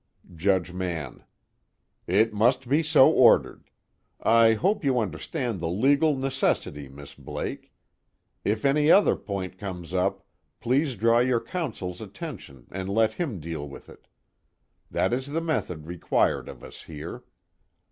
JUDGE MANN: It must be so ordered. I hope you understand the legal necessity, Miss Blake. If any other point comes up, please draw your counsel's attention and let him deal with it. That is the method required of us here.